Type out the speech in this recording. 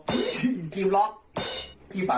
เล่นเองตบเองก็ได้